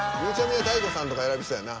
［大悟さんとか選びそうやな］